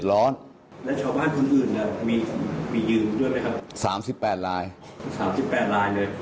ยอดคุณเท่าไหร่